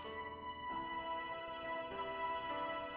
ini udah kaget